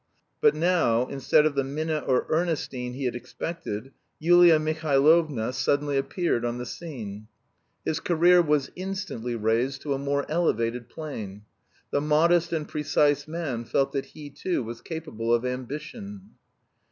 But now, instead of the Minna or Ernestine he had expected, Yulia Mihailovna suddenly appeared on the scene. His career was instantly raised to a more elevated plane. The modest and precise man felt that he too was capable of ambition.